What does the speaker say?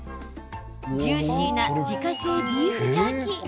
ジューシーな自家製ビーフジャーキー